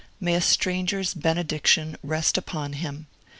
May a stranger's benediction rest upon him!